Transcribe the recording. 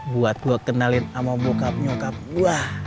buat gue kenalin sama bokap nyokap gue